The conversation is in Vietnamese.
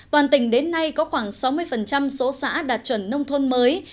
toàn tỉnh đến nay có khoảng sáu mươi số xã đạt chuẩn nông thôn mới